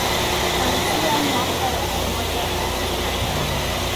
kuanzia mwaka elfu moja mia tisa na tano